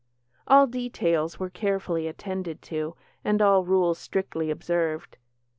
All details were carefully attended to, and all rules strictly observed.